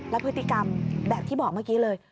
และพฤติกรรมแบบที่บอกเมื่อกี้เลย